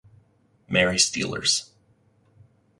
Marie Steelers.